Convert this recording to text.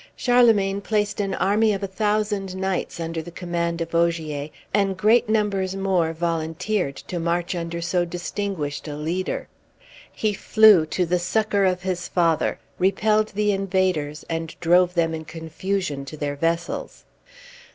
Charlemagne placed an army of a thousand knights under the command of Ogier, and great numbers more volunteered to march under so distinguished a leader. He flew to the succor of his father, repelled the invaders, and drove them in confusion to their vessels.